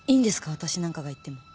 私なんかが行っても